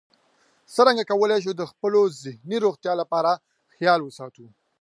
څرنګه کولی شو د خپلې ذهني روغتیا خیال وساتو